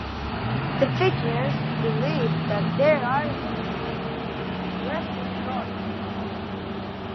The Fijians believe that their islands rest on a god.